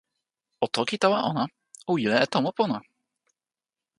o toki tawa ona, o wile e tomo pona!